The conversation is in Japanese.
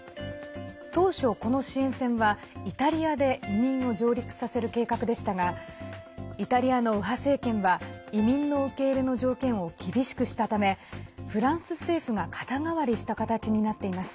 当初、この支援船はイタリアで移民を上陸させる計画でしたがイタリアの右派政権は移民の受け入れの条件を厳しくしたためフランス政府が肩代わりした形になっています。